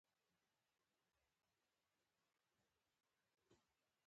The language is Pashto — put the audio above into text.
په بدو کي ورکول سوي ښځي د خوښی پرته واده کيږي.